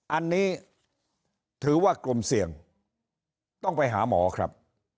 อันนี้ถือว่ากลุ่มเสี่ยงต้องไปหาหมอครับ